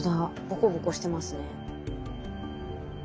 ぼこぼこしてますね。